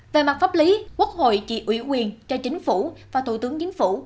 về mặt pháp lý quốc hội chỉ ủy quyền cho chính phủ và thủ tướng chính phủ